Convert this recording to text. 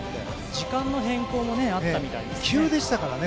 時間の変更もあったみたいですね。